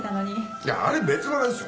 いやあれ別腹ですよ。